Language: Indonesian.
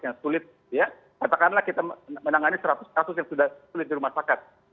yang sulit ya katakanlah kita menangani seratus kasus yang sudah sulit di rumah sakit